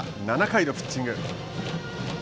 ７回のピッチング。